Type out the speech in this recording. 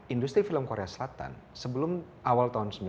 industri film korea selatan sebelum awal tahun sembilan puluh an itu